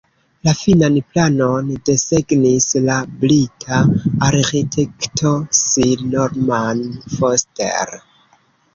La finan planon desegnis la brita arĥitekto Sir Norman Foster.